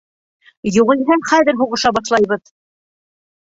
Юғиһә, хәҙер һуғыша башлайбыҙ!